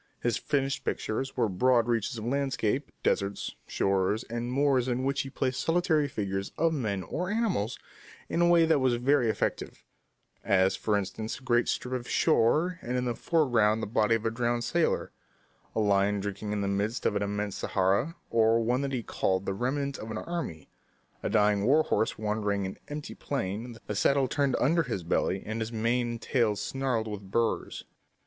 His finished pictures were broad reaches of landscape, deserts, shores, and moors in which he placed solitary figures of men or animals in a way that was very effective as, for instance, a great strip of shore and in the foreground the body of a drowned sailor; a lion drinking in the midst of an immense Sahara; or, one that he called "The Remnant of an Army," a dying war horse wandering on an empty plain, the saddle turned under his belly, his mane and tail snarled with burrs.